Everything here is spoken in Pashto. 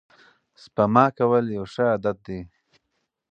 سپما کول یو ښه عادت دی.